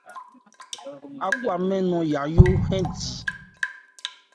Ákwámɛn nɔn Yayó wɛn di.